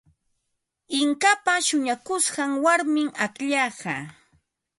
Inkapa shuñakushqan warmim akllaqa.